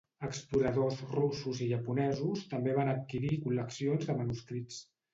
Exploradors russos i japonesos també van adquirir col·leccions de manuscrits.